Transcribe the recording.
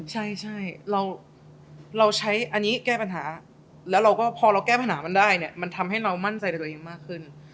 ใช่เราใช้อันนี้แก้ปัญหาแล้วเราก็พอเราแก้ปัญหามันได้เนี่ยมันทำให้เรามั่นใจในตัวเองมากขึ้น